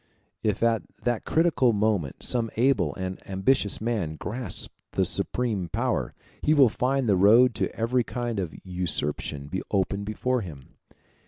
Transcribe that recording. If at that critical moment some able and ambitious man grasps the supreme power, he will find the road to every kind of usurpation open before him.